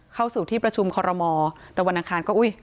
เข้าสู่ที่ประชุมคอรมอแต่วันอังคารก็อุ้ย